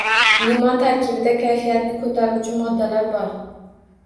Limon tarkibida kayfiyatni ko‘taruvchi moddalar bor.